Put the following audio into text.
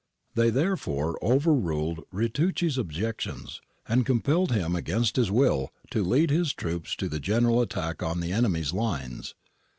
They there fore overruled Ritucci's objections, and compelled him against his will to lead his eager troops to the general attack on the enemy's lines.